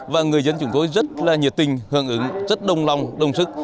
và người dân chúng tôi rất là nhiệt tình hưởng ứng rất đồng lòng đồng sức